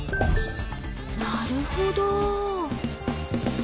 なるほど。